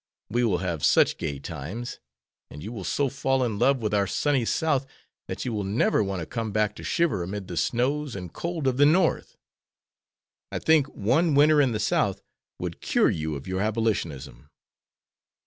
We will have such gay times, and you will so fall in love with our sunny South that you will never want to come back to shiver amid the snows and cold of the North. I think one winter in the South would cure you of your Abolitionism."